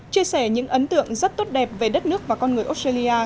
chia sẻ những ấn tượng rất tốt đẹp về đất nước và con người australia